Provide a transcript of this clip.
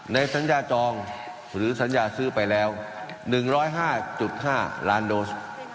ในสัญญาจองหรือสัญญาซื้อไปแล้วหนึ่งร้อยห้าจุดห้าล้านโดส